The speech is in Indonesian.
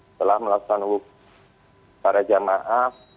setelah melaksanakan wujud pada jemaah